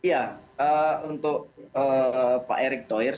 pesan saya untuk pak erik toir